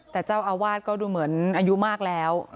แต่เจ้าอาวาสก็ดูเหมือนอายุมากแล้ว